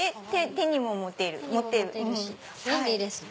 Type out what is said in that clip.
手にも持てるし便利ですね。